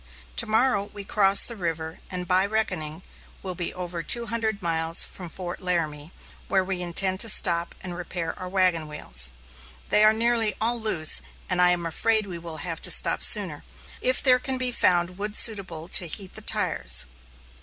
To morrow we cross the river, and, by reckoning, will be over 200 miles from Fort Laramie, where we intend to stop and repair our wagon wheels. They are nearly all loose, and I am afraid we will have to stop sooner, if there can be found wood suitable to heat the tires.